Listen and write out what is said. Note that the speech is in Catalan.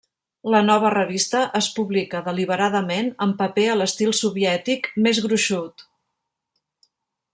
La nova revista es publica, deliberadament en paper a l'estil soviètic, més gruixut.